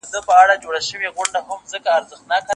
پر نېستمنو دي زړه ولي نه سوځیږي